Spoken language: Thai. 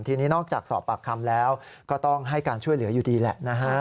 ทีนี้นอกจากสอบปากคำแล้วก็ต้องให้การช่วยเหลืออยู่ดีแหละนะฮะ